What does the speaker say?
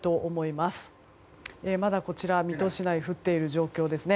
まだこちら水戸市内降っている状況ですね。